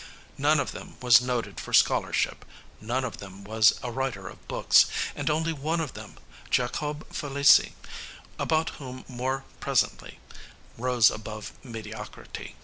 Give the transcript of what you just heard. None of them was noted for scholarship, none of them was a writer of books, and only one of them Jacobe Felicie, about whom more presently rose above mediocrity.